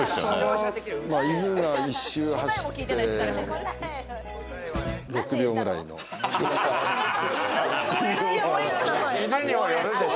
犬が１周走って６秒ぐらいの広さ。